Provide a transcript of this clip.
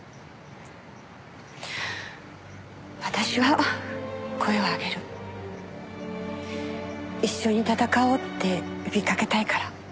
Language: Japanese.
「私は声を上げる」「一緒に戦おうって呼びかけたいから」